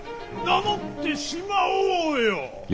名乗ってしまおうよ！